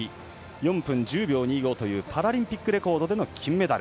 ４分１０秒２５というパラリンピックレコードでの金メダル。